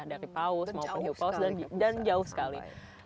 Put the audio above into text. dari paus open heel paus dan jauh sekali